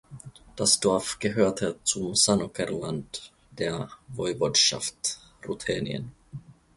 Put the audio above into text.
Das Dorf gehörte zum Sanoker Land der Woiwodschaft Ruthenien.